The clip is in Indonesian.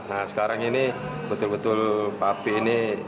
nah sekarang ini betul betul pak api ini